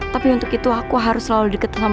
tapi untuk itu aku harus selalu deket sama kamu